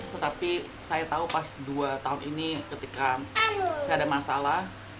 tetapi saya tahu pas dua tahun ini ketika saya ada masalah